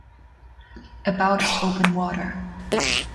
About is open water.